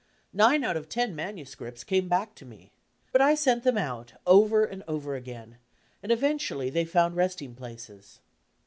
Nine out of ten manuscripts came back to me. But I sent them out over and over again, and eventually they found resting places.